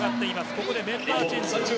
ここでメンバーチェンジ。